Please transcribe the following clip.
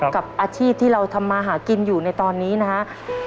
กับอาชีพที่เราทำมาหากินอยู่ในตอนนี้นะฮะ